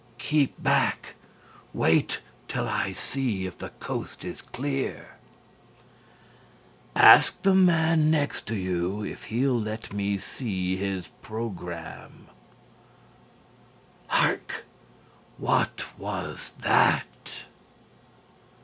b. "Keep back; wait till I see if the coast is clear." c. "Ask the man next to you if he'll let me see his programme." d. "Hark! What was that?"